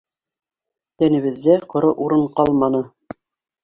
Тәнебеҙҙә ҡоро урын ҡалманы.